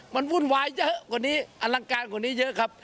มันวุ่นวายเยอะกว่านี้อลังการกว่านี้เยอะครับ